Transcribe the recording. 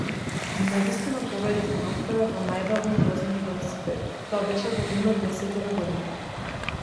Навистина победив на натпревар во најбавно возење велосипед, тоа беше кога имав десетина години.